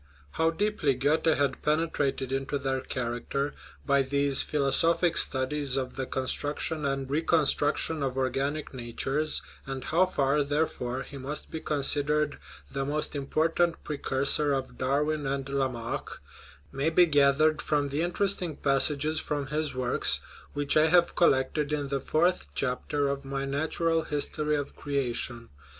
How deeply Goethe had penetrated into their character by these philosophic studies of the " con struction and reconstruction of organic natures, "and how far, therefore, he must be considered the most im portant precursor of Darwin and Lamarck,* may be gathered from the interesting passages from his works which I have collected in the fourth chapter of my Natural History of Creation.